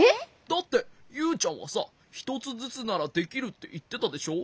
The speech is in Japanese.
だってユウちゃんはさひとつずつならできるっていってたでしょ？